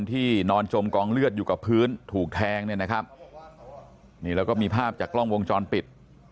นอนจมกองเลือดอยู่กับพื้นถูกแทงเนี่ยนะครับนี่แล้วก็มีภาพจากกล้องวงจรปิด